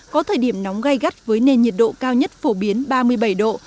có thời điểm nóng gai gắt với nền nhiệt độ cao nhất phổ biến ba mươi bảy độ